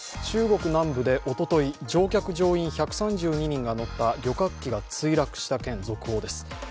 中国南部でおととい乗客・乗員１３２人が乗った旅客機が墜落した件、続報です。